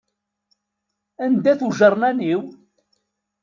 Anda-t ujernan-iw?